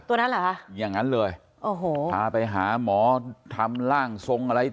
นั้นเหรอคะอย่างนั้นเลยโอ้โหพาไปหาหมอทำร่างทรงอะไร